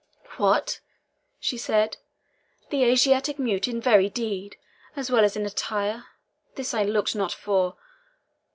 "What!" she said, "the Asiatic mute in very deed, as well as in attire? This I looked not for.